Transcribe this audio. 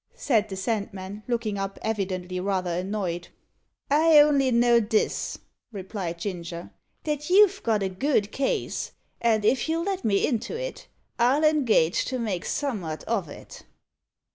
said the Sandman, looking up, evidently rather annoyed. "I only know this," replied Ginger, "that you've got a good case, and if you'll let me into it, I'll engage to make summat of it."